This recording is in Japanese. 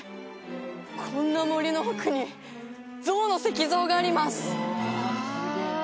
こんな森の奥に象の石像があります